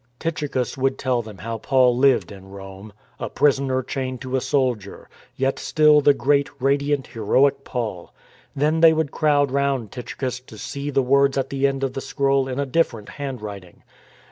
Tychicus would tell them how Paul lived in Rome, a prisoner chained to a soldier, yet still the great, radiant, heroic Paul. Then they would crowd round Tychicus to see the words at the end of the scroll in a different handwriting.